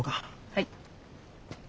はい。